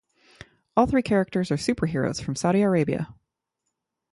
All three characters are superheroes from Saudi Arabia.